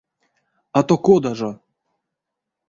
А то кода жо?